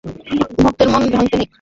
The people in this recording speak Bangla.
ভক্তের মন ভাঙ্গতে নেই।